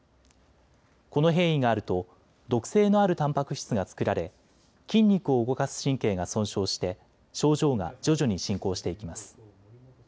この変異があると毒性のあるたんぱく質が作られ筋肉を動かす神経が損傷して症状が徐々に進行していきます。